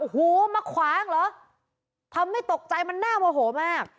โอ้โหมาขวางเหรอทำให้ตกใจมันน่าโมโหมาก